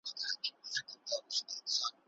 راته راکړۍ څه ډوډۍ مسلمانانو